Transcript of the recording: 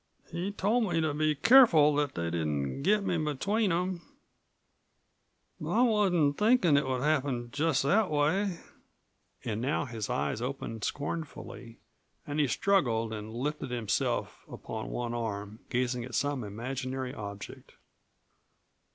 "He told me to be careful that they didn't get me between them. But I wasn't thinkin' it would happen just that way." And now his eyes opened scornfully and he struggled and lifted himself upon one arm, gazing at some imaginary object.